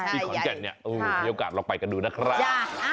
ที่ขอนแก่นเนี่ยมีโอกาสลองไปกันดูนะครับ